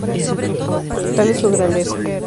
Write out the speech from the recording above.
Tal es su grandeza".